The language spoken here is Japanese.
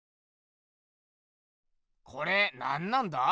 これなんなんだ？